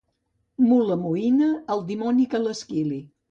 Mula moïna, el dimoni que l'esquili.